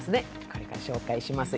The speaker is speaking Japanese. これから紹介します。